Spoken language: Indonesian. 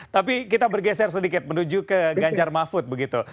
tapi kita bergeser sedikit menuju ke ganjar mahfud begitu